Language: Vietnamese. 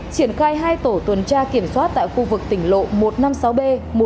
triển khai hai tổ tuần tra kiểm soát tại khu vực tỉnh lộ một trăm năm mươi sáu b một trăm năm mươi bảy